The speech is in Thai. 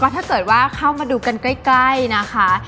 ถ้าเกิดว่าเข้ามาดูกันใกล้นะคะ